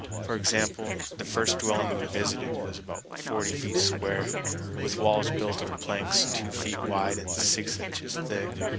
For example, the first dwelling we visited was about forty feet square, with walls built of planks two feet wide and six inches thick.